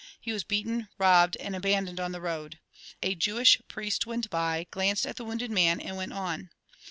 He was beaten, robbed, and abandoned on the road. A Jewish priest went by, glanced at the wounded man, and went on.